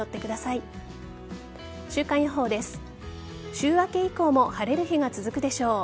週明け以降も晴れる日が続くでしょう。